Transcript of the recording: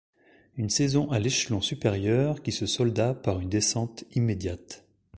Une saison à l'échelon supérieur qui se solda par une descente immédiate.